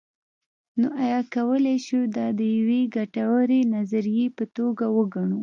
نو ایا کولی شو دا د یوې ګټورې نظریې په توګه وګڼو.